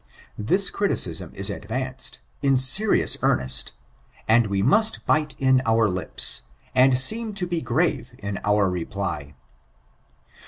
This criticism is advanced, in serious earnest, and we must bite m our Hps, and seem to be grave in our reply.